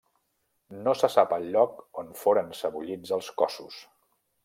No se sap el lloc on foren sebollits els cossos.